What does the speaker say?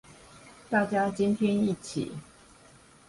大家今天一起